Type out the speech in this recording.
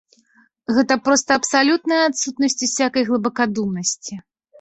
Гэта проста абсалютная адсутнасць усякай глыбакадумнасці.